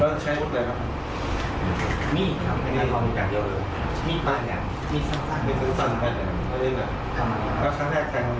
แล้วชั้นแรกใครล้ามวัลตัว